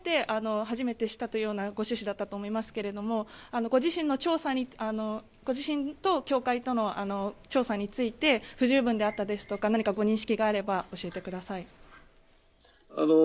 報道で指摘を受けて初めて知ったというようなご趣旨だったと思いますけれどもご自身の調査にご自身と教会との調査について不十分であったですとか何かご認識があれば教えてください。